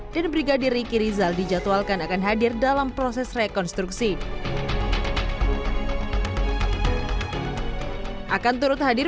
dan brigadir ricky rizal dijadwalkan akan hadir dalam proses rekonstruksi akan turut hadir